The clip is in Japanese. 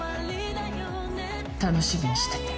楽しみにしてて。